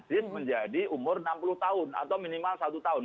dan pak idam aziz menjadi umur enam puluh tahun atau minimal satu tahun